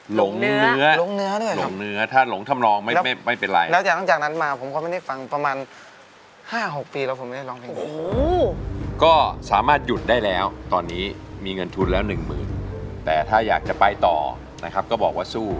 หลงเนื้อหลงเนื้อด้วยครับหลงเนื้อถ้าหลงทำรองไม่เป็นไร